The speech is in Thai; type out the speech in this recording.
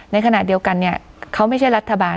ในขณะเดียวกันเนี่ยเขาไม่ใช่รัฐบาล